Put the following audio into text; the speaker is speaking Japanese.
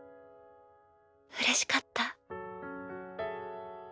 うれしかった。